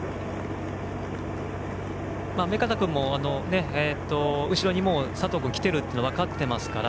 目片君も後ろに佐藤君が来ていることが分かっていますから。